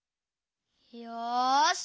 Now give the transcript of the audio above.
よし！